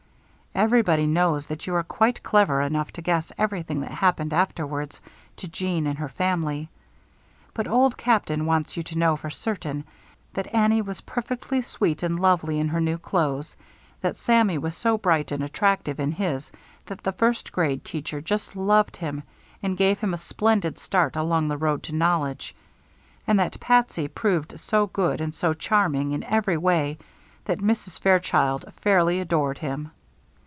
Everybody knows that you are quite clever enough to guess everything that happened afterwards to Jeanne and her family; but Old Captain wants you to know for certain that Annie was perfectly sweet and lovely in her new clothes, that Sammy was so bright and attractive in his that the first grade teacher just loved him and gave him a splendid start along the road to knowledge; and that Patsy proved so good and so charming in every way that Mrs. Fairchild fairly adored him.